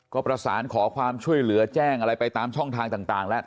ก็ประสานขอความช่วยเหลือแจ้งอะไรไปตามช่องทางต่างแล้ว